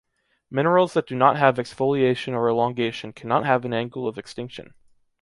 Minerals that do not have exfoliation or elongation cannot have an angle of extinction.